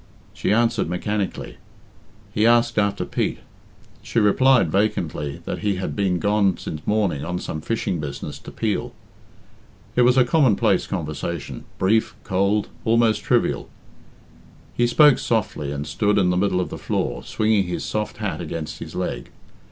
She answered mechanically. He asked after Pete. She replied vacantly that he had been gone since morning on some fishing business to Peel. It was a commonplace conversation brief, cold, almost trivial. He spoke softly, and stood in the middle of the floor, swinging his soft hat against his leg.